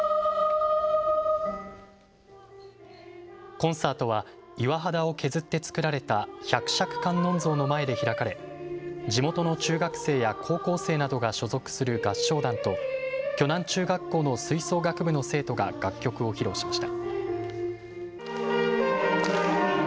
コンサートは岩肌を削って作られた百尺観音像の前で開かれ地元の中学生や高校生などが所属する合唱団と鋸南中学校の吹奏楽部の生徒が楽曲を披露しました。